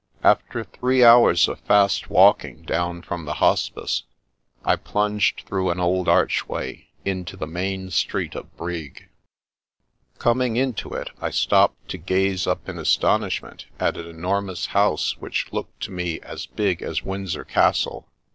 After three hours of fast walking down from the Hospice, I plunged through an old archway into the main street of Brig. Coming into it, I stopped to gaze up in astonish ment at an enormous house which looked to me as big as Windsor Castle.